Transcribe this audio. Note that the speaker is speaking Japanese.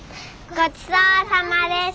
ごちそうさまでした。